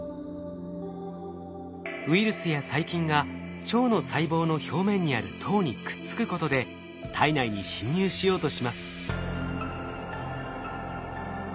ウイルスや細菌が腸の細胞の表面にある糖にくっつくことで体内に侵入しようとします。